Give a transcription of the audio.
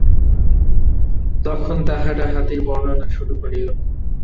তখন তাহারা হাতীর বর্ণনা শুরু করিল।